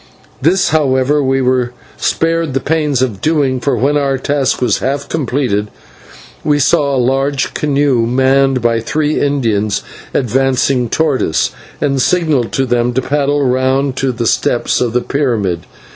This, however, we were spared the pains of doing, for when our task was half completed we saw a large canoe, manned by three Indians, advancing towards us, and signalled to them to paddle round to the steps of the pyramid.